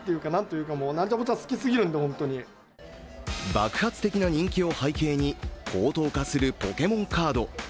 爆発的な人気を背景に高騰化するポケモンカード。